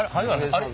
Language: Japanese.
あれ？